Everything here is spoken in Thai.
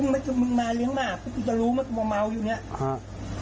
ก็ไม่คือมึงมาเลี้ยงมากกูจะรู้มันว่าเมาอยู่เนี้ยอ่า